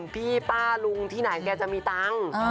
พี่ป้าลุงที่ไหนแกจะมีตังค์